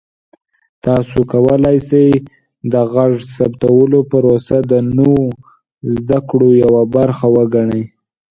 تاسو کولی شئ د غږ ثبتولو پروسه د نوو زده کړو یوه برخه وګڼئ.